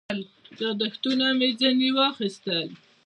یاداښتونه مې ځنې واخیستل.